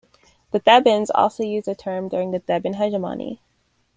The Thebans also used the term during the Theban hegemony.